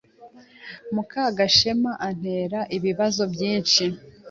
Mukagashema antera ibibazo byinshi.